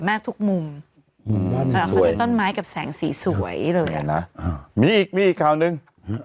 มีอีกทรีย์อีกครั้วหนึ่ง